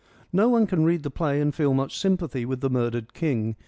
No one can read the play and feel much sympathy with the murdered king.